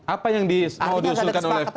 apa yang mau diusulkan oleh fpi